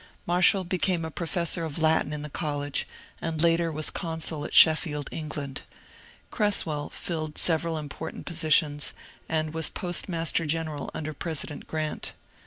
Marshall became a professor of Latin in the college, and later was consul at Sheffield, Eng. Cresswell filled several important positions, and was postmaster general under President Grant.